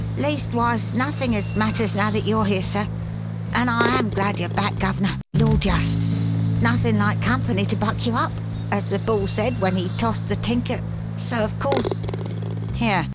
"Leastwise, nothing as matters now that you are here, sir. And I am glad yer back, guv'ner Lawd, yuss! 'Nothin' like company to buck you up,' as the bull said when he tossed the tinker; so of course " "Here!